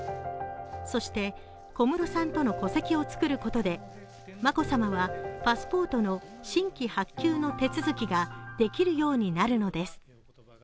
そして小室さんとの戸籍を作ることで眞子さまはパスポートの新規発給の手続きができるようになるのです。